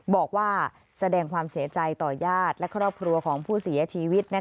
บอกว่าแสดงความเสียใจต่อญาติและครอบครัวของผู้เสียชีวิต